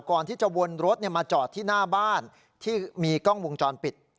ก่อนที่จะวนรถมาจอดที่หน้าบ้านที่มีกล้องวงจรปิด